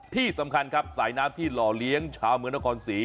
ที่สำคัญครับสายน้ำที่หล่อเลี้ยงชาวเมืองนครศรี